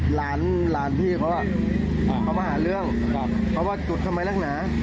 หลานหลานพี่เขาเขามาหาเรื่องเขาว่าจุดทำไมนักหนา